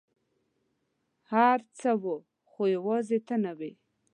هر څه وه ، خو یوازي ته نه وې !